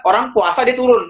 orang puasa dia turun